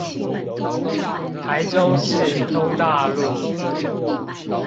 台中市東大路